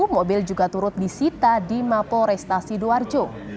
mobil juga turut disita di mapo resta sidoarjo